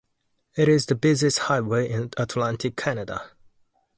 It is the busiest highway in Atlantic Canada.